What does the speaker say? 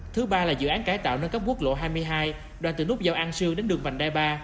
thứ ba là dự án cải tạo nâng cấp quốc lộ hai mươi hai đoàn từ nút giao an sương đến đường vành đai ba